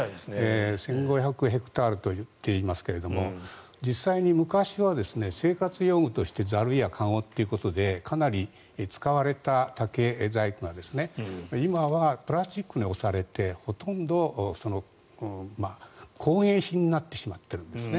１５００ヘクタールといっていますが実際に昔は生活用具としてザルや籠ということでかなり使われた竹細工が今はプラスチックに押されてほとんど工芸品になってしまっているんですね。